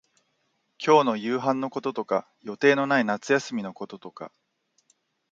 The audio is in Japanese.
今日の夕飯のこととか、予定のない夏休みのこととか、